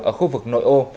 ở khu vực nội ô